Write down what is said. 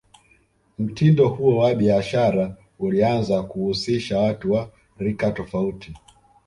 mtindo huo wa Biashara ulianza kuhusisha Watu wa rika tofauti